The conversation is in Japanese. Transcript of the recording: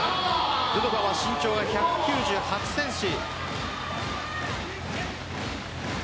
ドゥドバは身長が１９８ｃｍ。